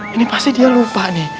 ini pasti dia lupa nih